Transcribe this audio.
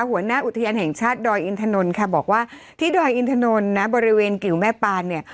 หัวหน้าอุทยานแห่งชาติดอยอินทนนท์ค่ะบอกว่าที่ดอยอินถนนนะบริเวณกิวแม่ปานเนี่ย